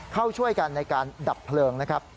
เข้าช่วยกันในการดับเพลิงนะครับ